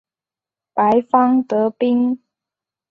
白方得兵。